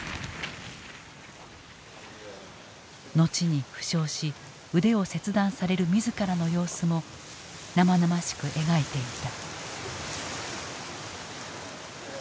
後に負傷し腕を切断される自らの様子も生々しく描いていた。